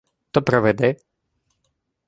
— То приведи.